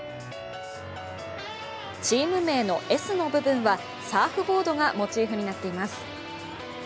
チーム名の「Ｓ」の部分はサーフボードがモチーフになっています。